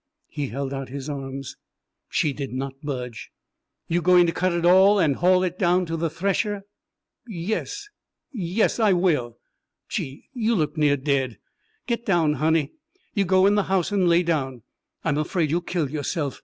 He held out his arms. She did not budge. "You going to cut it all and haul it down to the thresher?" "Yes yes, I will. Gee, you look near dead get down, honey. You go in the house and lay down I'm afraid you'll kill yourself.